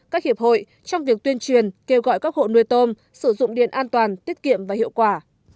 các hiệp hội trong việc tuyên truyền kêu gọi các hộ nuôi tôm sử dụng điện an toàn tiết kiệm và hiệu quả